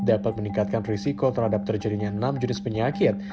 dapat meningkatkan risiko terhadap terjadinya enam jenis penyakit